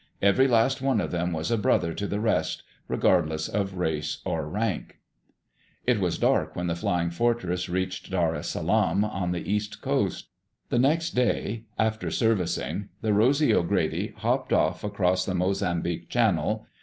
Every last one of them was a brother to the rest, regardless of race or rank. It was dark when the Flying Fortress reached Dar es Salam on the east coast. The next day, after servicing, the Rosy O'Grady hopped off across the Mozambique Channel.